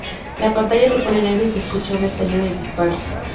La pantalla se pone en negro y se escucha un estallido de disparos.